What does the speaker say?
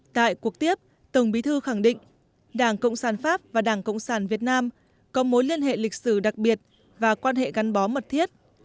tại cuộc tiếp tổng bí thư khẳng định đảng cộng sản pháp và đảng cộng sản việt nam có mối liên hệ lịch sử đặc biệt và quan hệ gắn bó mật thiết